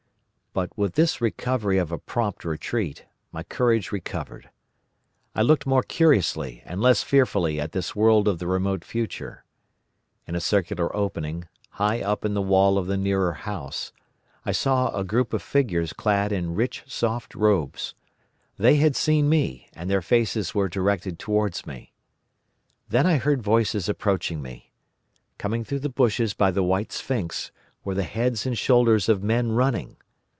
"But with this recovery of a prompt retreat my courage recovered. I looked more curiously and less fearfully at this world of the remote future. In a circular opening, high up in the wall of the nearer house, I saw a group of figures clad in rich soft robes. They had seen me, and their faces were directed towards me. "Then I heard voices approaching me. Coming through the bushes by the White Sphinx were the heads and shoulders of men running.